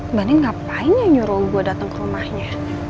mbak andi ngapain yang nyuruh gue datang ke rumahnya